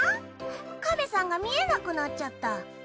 かめさんが見えなくなっちゃった。